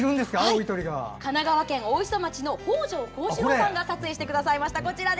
神奈川県大磯町の北條幸四郎さんが撮影してくださいました。